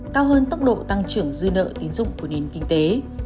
cao hơn tốc độ tăng trưởng dư nợ tiến dụng của nền kinh tế